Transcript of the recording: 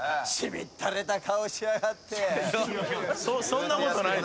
そんなことない。